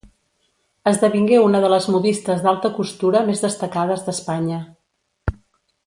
Esdevingué una de les modistes d'alta costura més destacades d'Espanya.